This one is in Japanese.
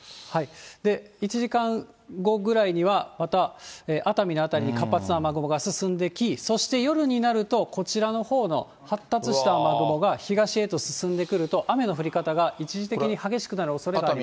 １時間後ぐらいにはまた熱海の辺りに活発な雨雲が進んでいき、そして夜になると、こちらのほうの発達した雨雲が東へと進んでくると、雨の降り方が一時的に激しくなるおそれがあります。